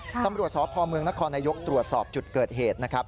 ตำรวจสพเมืองนครนายกตรวจสอบจุดเกิดเหตุนะครับ